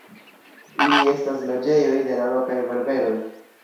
Ili estas loĝejoj de la lokaj berberoj.